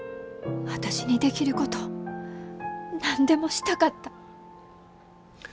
私にできること何でもしたかった。